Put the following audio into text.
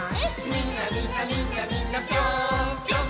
「みんなみんなみんなみんなぴょーんぴょん」